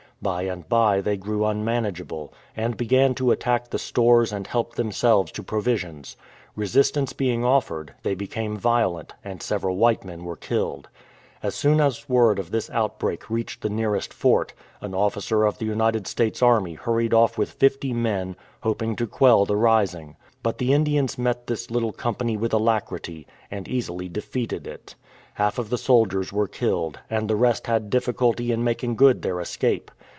By and by they grew un manageable, and began to attack the stores and help themselves to provisions. Resistance being offered, they became violent, and several white men were killed. As soon as word of this outbreak reached the nearest fort, an officer of the United States Army hurried off with fifty men, hoping to quell the rising. But the Indians met this little company with alacrity, and easily defeated it. Half of the soldiers were killed, and the rest had diffi culty in making good their escape.